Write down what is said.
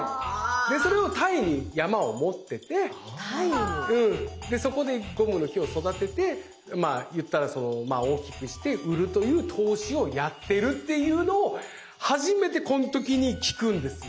でそれをタイに山をもっててそこでゴムの木を育ててまあ言ったら大きくして売るという投資をやってるっていうのを初めてこの時に聞くんですよ。